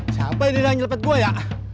sampai dianggap goya